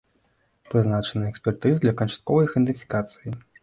Прызначаныя экспертызы для канчатковай іх ідэнтыфікацыі.